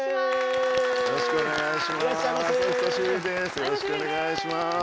よろしくお願いします。